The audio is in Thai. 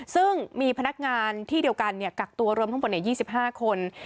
ซึ่งมีพนักงานที่เดียวกันกักตัวรวมทั้งหมด๒๕คน